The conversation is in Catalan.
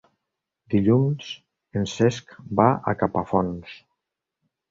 Dilluns en Cesc va a Capafonts.